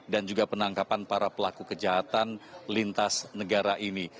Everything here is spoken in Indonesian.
dan juga penangkapan para pelaku kejahatan lintas negara ini